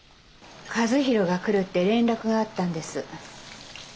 和弘が来るって連絡があったんです。